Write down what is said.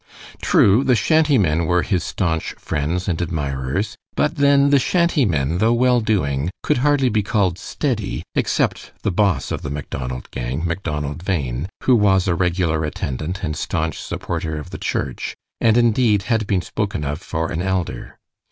True, the shanty men were his stanch friends and admirers, but then the shanty men, though well doing, could hardly be called steady, except the boss of the Macdonald gang, Macdonald Bhain, who was a regular attendant and stanch supporter of the church, and indeed had been spoken of for an elder.